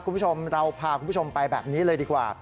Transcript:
คุณผู้ชมเราพาคุณผู้ชมไปแบบนี้เลยดีกว่า